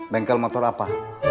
bengkel motor apa